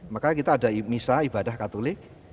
makanya kita ada misa ibadah katolik